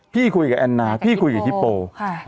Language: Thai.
พี่คุยกับแอนนาพี่คุยกับทิโปร์